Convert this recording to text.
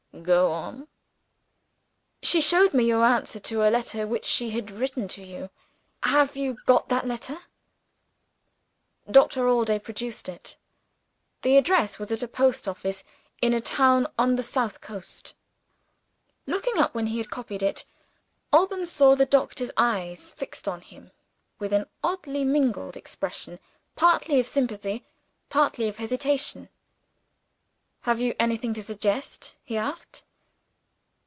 "Go on." "She showed me your answer to a letter which she had written to you. Have you got that letter?" Doctor Allday produced it. The address was at a post office, in a town on the south coast. Looking up when he had copied it, Alban saw the doctor's eyes fixed on him with an oddly mingled expression: partly of sympathy, partly of hesitation. "Have you anything to suggest?" he asked.